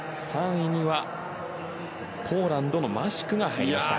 ３位にはポーランドのマシュクが入りました。